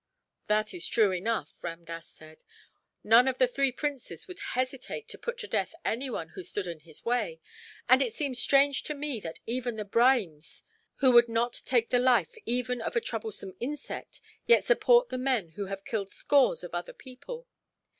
"That is true enough," Ramdass said; "none of the three princes would hesitate to put to death anyone who stood in his way, and it seems strange to me that even the Brahmins, who would not take the life even of a troublesome insect, yet support the men who have killed scores of other people.